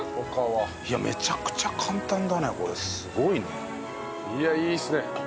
いやめちゃくちゃ簡単だねこれ。すごいね。いやいいっすね。